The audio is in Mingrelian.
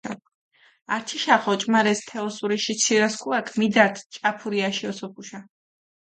ართიშახჷ ოჭუმარესჷ თე ოსურიში ცირასქუაქჷ მიდართჷ ჭაფურიაში ოსოფუშა.